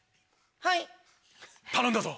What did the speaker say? はい！